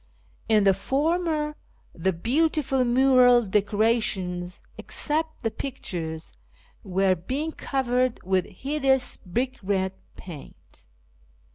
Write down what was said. In the former, tlie beautiful mural decorations (except the pictures) were being covered with hideous brick red paint.